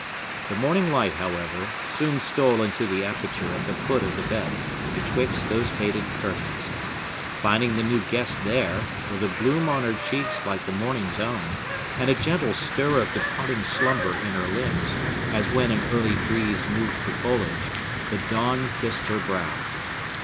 The morning light, however, soon stole into the aperture at the foot of the bed, betwixt those faded curtains. Finding the new guest there,—with a bloom on her cheeks like the morning's own, and a gentle stir of departing slumber in her limbs, as when an early breeze moves the foliage,—the dawn kissed her brow.